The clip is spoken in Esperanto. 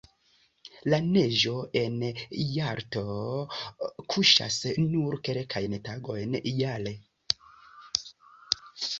La neĝo en Jalto kuŝas nur kelkajn tagojn jare.